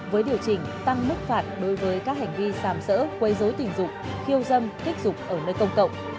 với điều chỉnh tăng mức phạt đối với các hành vi sàm sỡ quây dối tình dụng khiêu dâm thích dục ở nơi công cộng